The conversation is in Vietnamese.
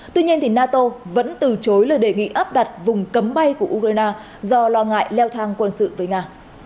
tuy nhiên nato vẫn từ chối lời đề nghị áp đặt vùng cấm bay của ukraine do lo ngại leo thang quân sự với nga